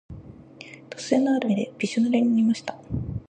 突然の雨でびしょぬれになりました。